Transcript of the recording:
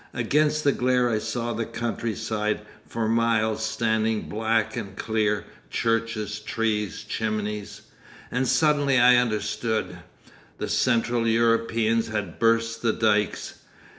Against the glare I saw the country side for miles standing black and clear, churches, trees, chimneys. And suddenly I understood. The Central Europeans had burst the dykes.